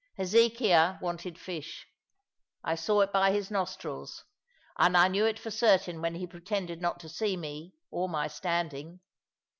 Hezekiah wanted fish. I saw it by his nostrils, and I knew it for certain when he pretended not to see me or my standing.